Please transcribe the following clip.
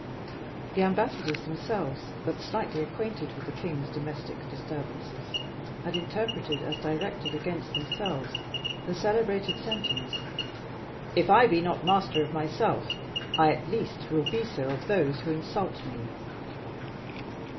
The ambassadors themselves, but slightly acquainted with the king's domestic disturbances, had interpreted as directed against themselves the celebrated sentence: "If I be not master of myself, I, at least, will be so of those who insult me."